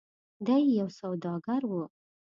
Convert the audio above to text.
د ی یو سوداګر و.